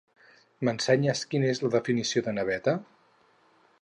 M'ensenyes quina és la definició de naveta?